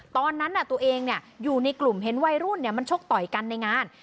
ตอนนั้นตัวเองอยู่ในกลุ่มเห็นวัยรุ่นมันชกต่อยกันในงาน